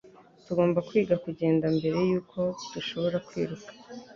Tugomba kwiga kugenda mbere yuko dushobora kwiruka.